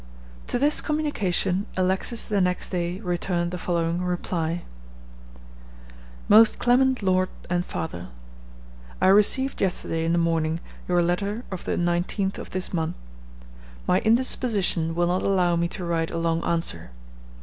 To this communication Alexis the next day returned the following reply: "MOST CLEMENT LORD AND FATHER, "I received yesterday in the morning your letter of the 19th of this month. My indisposition will not allow me to write a long answer.